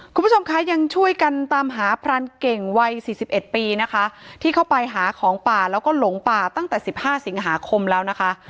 คุณผู้ชมคะยังช่วยกันตามหาพรานเก่งวัยสี่สิบเอ็ดปีนะคะที่เข้าไปหาของป่าแล้วก็หลงป่าตั้งแต่๑๕สิงหาคมแล้วนะคะ